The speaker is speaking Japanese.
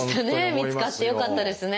見つかってよかったですね。